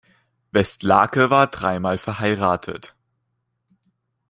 Westlake war dreimal verheiratet.